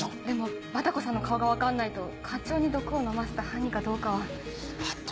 でもバタコさんの顔が分かんないと課長に毒を飲ませた犯人かどうかは。